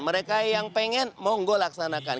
mereka yang pengen mohon gue laksanakan